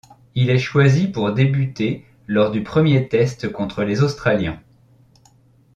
Il est choisi pour débuter lors du premier test contre les Australiens.